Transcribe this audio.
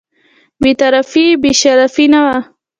بې طرفي یې بې شرفي نه وه.